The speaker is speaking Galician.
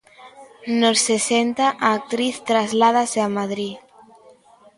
Nos sesenta, a actriz trasládase a Madrid.